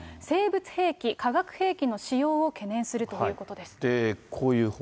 生物兵器、化学兵器の使用を懸念するということです。